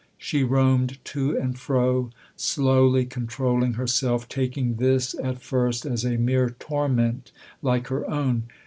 She roamed to and fro, slowly controlling herself, taking this at first as a mere torment like her own.